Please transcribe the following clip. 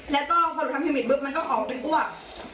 แล้วก็พอเราทำพิมิตปุ๊บมันก็ออกเป็นอ้วก